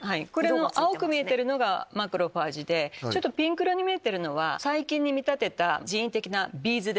青く見えてるのがマクロファージでピンク色に見えてるのは細菌に見立てた人為的なビーズ。